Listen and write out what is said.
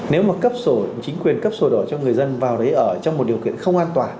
nếu mà cấp sổ chính quyền cấp sổ đỏ cho người dân vào đấy ở trong một điều kiện không an toàn